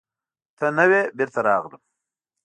ته نه وې، بېرته راغلم.